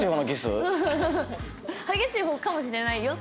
激しい方かもしれないよっていう。